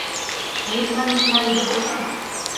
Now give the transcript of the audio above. Тый, манметла, ӱдыр отыл?!